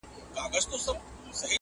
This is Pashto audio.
تندي ته مي سجدې راځي چي یاد کړمه جانان!.